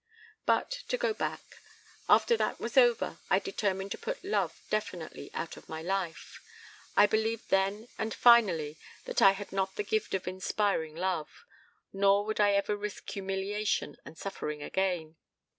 "But to go back. After that was over I determined to put love definitely out of my life. I believed then and finally that I had not the gift of inspiring love; nor would I ever risk humiliation and suffering again.